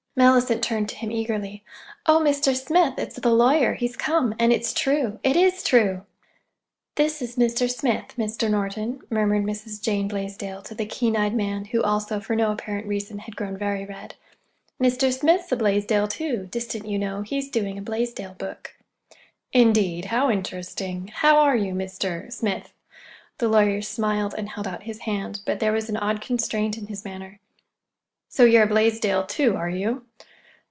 Mellicent turned to him eagerly. "Oh, Mr. Smith, it's the lawyer—he's come. And it's true. It is true!" "This is Mr. Smith, Mr. Norton," murmured Mrs. Jane Blaisdell to the keen eyed man, who, also, for no apparent reason, had grown very red. "Mr. Smith's a Blaisdell, too,—distant, you know. He's doing a Blaisdell book." "Indeed! How interesting! How are you, Mr.—Smith?" The lawyer smiled and held out his hand, but there was an odd constraint in his manner. "So you're a Blaisdell, too, are you?"